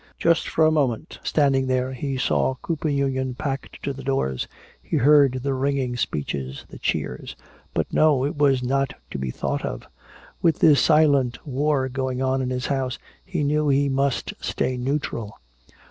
Just for a moment, standing there, he saw Cooper Union packed to the doors, he heard the ringing speeches, the cheers. But no, it was not to be thought of. With this silent war going on in his house he knew he must stay neutral.